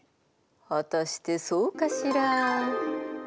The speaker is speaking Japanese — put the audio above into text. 果たしてそうかしら？